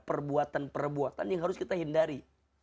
perbuatan perbuatan yang harus kita hindari